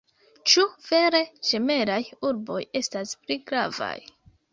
Ĉu vere ĝemelaj urboj estas pli gravaj?